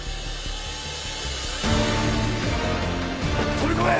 飛び込め！